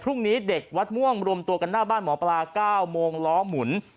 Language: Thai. เด็กวัดม่วงรวมตัวกันหน้าบ้านหมอปลา๙โมงล้อหมุน